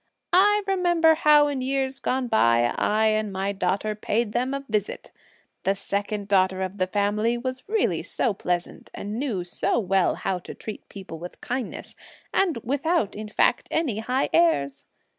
I remember how in years gone by, I and my daughter paid them a visit. The second daughter of the family was really so pleasant and knew so well how to treat people with kindness, and without in fact any high airs!